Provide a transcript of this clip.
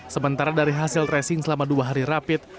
sementara dari hasil tracing selama dua hari rapid